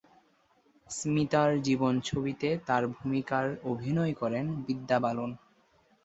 স্মিতার জীবনছবিতে তাঁর ভূমিকায় অভিনয় করেন বিদ্যা বালন।